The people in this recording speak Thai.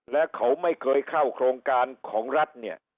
และเขาไม่เคยเข้าโครงการของรัฐเนี่ย